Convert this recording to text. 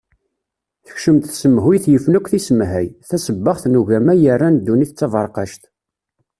Tekcem-d tsemhuyt yifen akk tisemhay, tasebbaɣt n ugama yerran ddunit d taberqact.